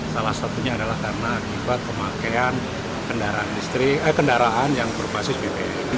salah satunya adalah karena akibat pemakaian kendaraan listrik eh kendaraan yang berbasis bpm